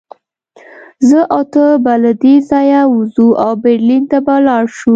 زه او ته به له دې ځایه ووځو او برلین ته به لاړ شو